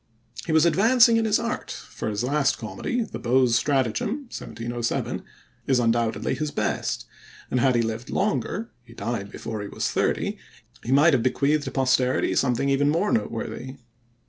He was advancing in his art, for his last comedy, The Beaux' Stratagem (1707), is undoubtedly his best, and had he lived longer he died before he was thirty he might have bequeathed to posterity something even more noteworthy.